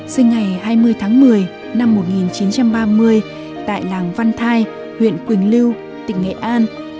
sinh ngày hai mươi tháng một mươi năm một nghìn chín trăm ba mươi tại làng văn thai huyện quỳnh lưu tỉnh nghệ an